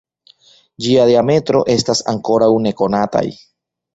Ĝia diametro estas ankoraŭ nekonataj.